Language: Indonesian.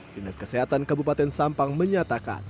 dinas kesehatan kabupaten sampang menyatakan